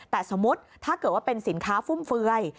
แต่สมมุติถ้าเกิดว่าเป็นสินค้าฟุ่มเฟือย